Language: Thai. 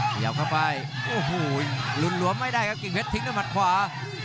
ขยับเข้าไปโอ้โหหลุดหลวมไม่ได้ครับกิ่งเพชรทิ้งด้วยมัดขวา